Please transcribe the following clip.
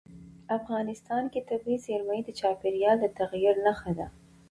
افغانستان کې طبیعي زیرمې د چاپېریال د تغیر نښه ده.